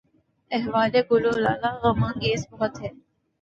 احوال گل و لالہ غم انگیز بہت ہے